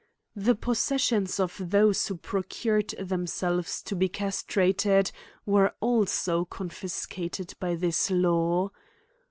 The possessions of those who procured themselves to be castrated, were also confiscated by this law.